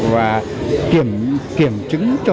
và kiểm chứng cho mình cái việc học ở trong nhà trường ra sao